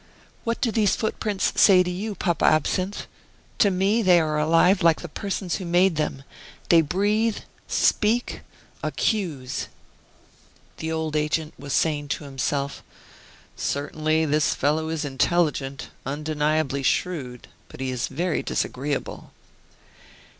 What do these footprints say to you, Papa Absinthe? To me they are alive like the persons who made them; they breathe, speak, accuse!" The old agent was saying to himself: "Certainly, this fellow is intelligent, undeniably shrewd; but he is very disagreeable."